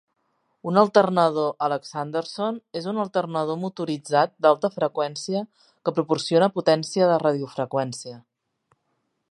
Un alternador Alexanderson és un alternador motoritzat d'alta freqüència que proporciona potència de radiofreqüència.